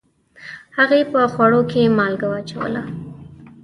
هغې په خوړو کې مالګه واچوله